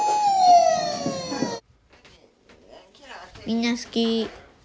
みんな好き。